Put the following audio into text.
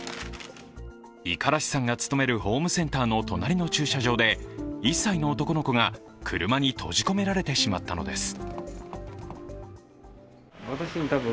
五十嵐さんが勤めるホームセンターの隣の駐車場で１歳の男の子が車に閉じ込められてしまったのです。